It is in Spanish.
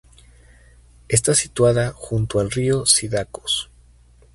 Está situada junto al Río Cidacos.